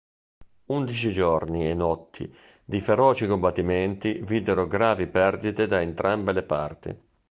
Undici giorni e notti di feroci combattimenti videro gravi perdite da entrambe le parti.